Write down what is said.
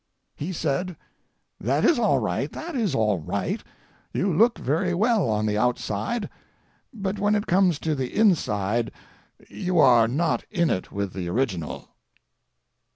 He said: "That is all right, that is all right; you look very well on the outside, but when it comes to the inside you are not in it with the original."